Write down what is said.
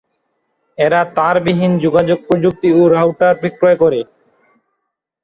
এরা তারবিহীন যোগাযোগ প্রযুক্তি ও রাউটার বিক্রয় করে।